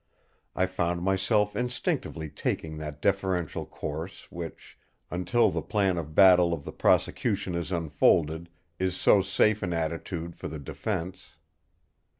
I found myself instinctively taking that deferential course which, until the plan of battle of the prosecution is unfolded, is so safe an attitude for the defence.